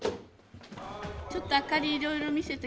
ちょっと明かりいろいろ見せて下さい。